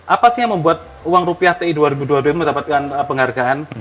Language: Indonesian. apa sih yang membuat uang rupiah ti dua ribu dua puluh dua mendapatkan penghargaan